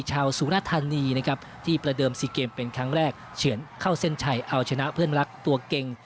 สุรธานีนะครับที่ประเดิม๔เกมเป็นครั้งแรกเฉือนเข้าเส้นชัยเอาชนะเพื่อนรักตัวเก่ง